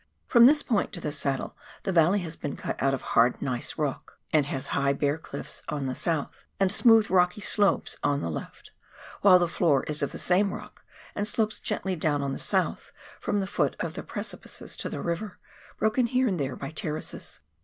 From this point to the saddle the valley has been cut out of hard gneiss rock, and has high bare cliffs on the south and smooth rocky slopes on the left, while the floor is of the same rock, and slopes gently down on the south from the foot of the precipices to the river, broken here and there by terraces.